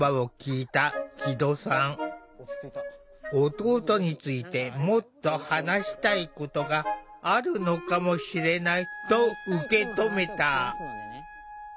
弟についてもっと話したいことがあるのかもしれないと受け止めた。